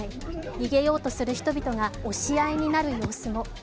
逃げようとする人々が押し合いになる様子も。